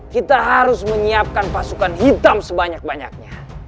kita harus menyiapkan pasukan hitam sebanyak banyaknya